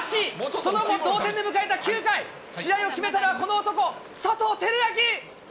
その後、同点で迎えた９回、試合を決めたのはこの男、佐藤輝明。